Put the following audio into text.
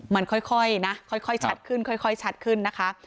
มันค่อยนะค่อยชัดขึ้นค่อยชัดขึ้นนะคะ